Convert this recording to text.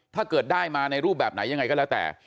ถ้าเกิดได้มาในรูปแบบไหนยังไงก็แล้วแต่